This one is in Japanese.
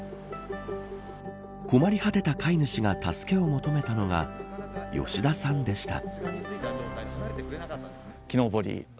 困り果てた飼い主が助けを求めたのが吉田さんでした。